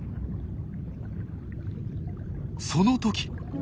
その時。